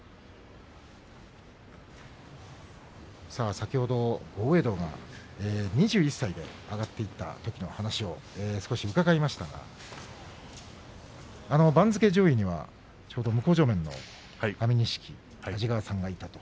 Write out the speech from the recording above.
先ほど豪栄道が２１歳で上がっていったときの話を少し伺いましたが番付上位には、ちょうど向正面の安美錦、安治川さんがいたと。